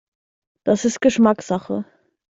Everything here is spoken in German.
Das ist Geschmackssache.